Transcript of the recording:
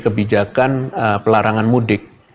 kebijakan pelarangan mudik